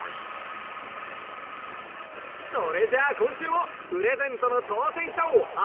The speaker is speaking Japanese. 「それじゃあこんしゅうもプレゼントのとうせんしゃをはっぴょうするＹＯ！」。